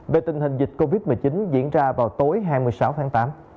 về tình hình dịch covid một mươi chín diễn ra vào tối hai mươi sáu tháng tám